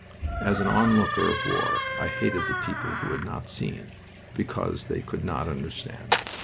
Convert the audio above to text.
As an onlooker of war I hated the people who had not seen, because they could not understand.